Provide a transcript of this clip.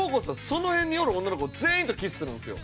その辺におる女の子全員とキスするんですよ。